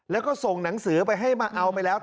แล้วก็ส่งหนังสือไปให้มาเอาไปแล้ว